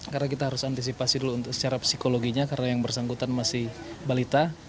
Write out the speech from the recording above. karena kita harus antisipasi dulu secara psikologinya karena yang bersangkutan masih balita